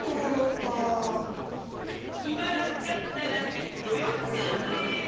きまらんかったらこれをつかうとええ！